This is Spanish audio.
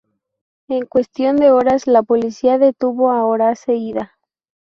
En cuestión de horas la policía detuvo a Horace Ida.